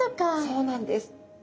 そうなんです。